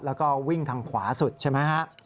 แล้วก็วิ่งทางขวาสุดใช่ไหมฮะ